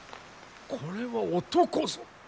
これは男ぞ！